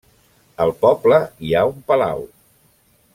Al poble hi ha un palau.